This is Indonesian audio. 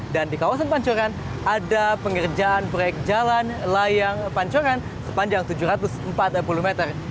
dan di kawasan pancuran ada pengerjaan proyek jalan layang pancuran sepanjang tujuh ratus empat puluh meter